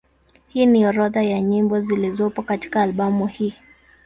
Hii ni orodha ya nyimbo zilizopo katika albamu hii.